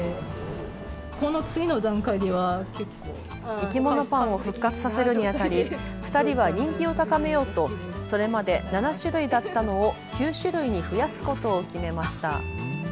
いきものパンを復活させるにあたり、２人は人気を高めようとそれまで７種類だったのを９種類に増やすことを決めました。